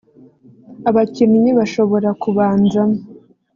Abakinnyi bashobora kubanzamo